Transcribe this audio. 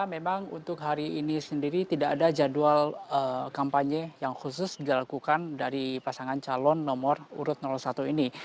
memang untuk hari ini sendiri tidak ada jadwal kampanye yang khusus dilakukan dari pasangan calon nomor urut satu ini